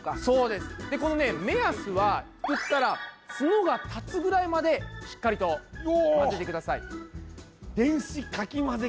でこのね目安はすくったらツノが立つぐらいまでしっかりとまぜてください。